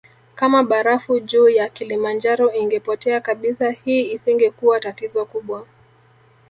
Kama barafu juu ya Kilimanjaro ingepotea kabisa hii isingekuwa tatizo kubwa